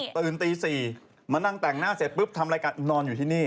ตื่นตี๔มานั่งแต่งหน้าเสร็จปุ๊บทำรายการนอนอยู่ที่นี่